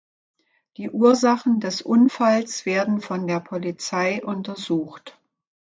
Die Ursachen des Unfalls werden von der Polizei untersucht.